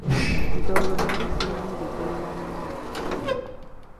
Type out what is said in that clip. Nze olwo nali simanyi bigenda mu maaso.